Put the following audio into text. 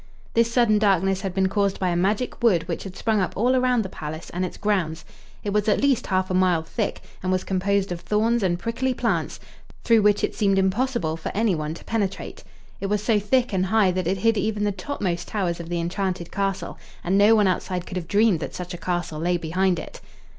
This sudden darkness had been caused by a magic wood which had sprung up all around the palace and its grounds. It was at least half a mile thick, and was composed of thorns and prickly plants, through which it seemed impossible for anyone to penetrate. It was so thick and high that it hid even the topmost towers of the enchanted castle, and no one outside could have dreamed that such a castle lay behind it.